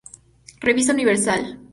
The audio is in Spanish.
Revista Universal".